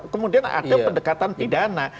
kemudian ada pendekatan pidana